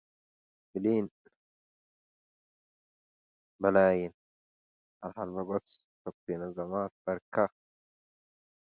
A program may also trigger an interrupt to the operating system.